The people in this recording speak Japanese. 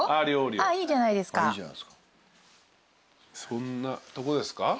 そんなとこですか？